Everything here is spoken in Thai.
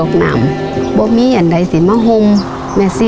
พวกนั้นสิ้นเมื่อร่มมาให้นาวลงร่มมาให้